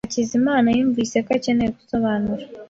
Hakizimana yumvise ko akeneye gusobanura.